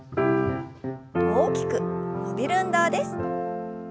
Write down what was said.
大きく伸びる運動です。